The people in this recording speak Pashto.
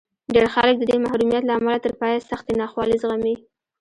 ډېر خلک د دې محرومیت له امله تر پایه سختې ناخوالې زغمي